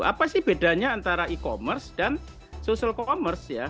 apa sih bedanya antara e commerce dan social commerce ya